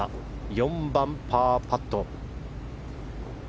４番、パーパット。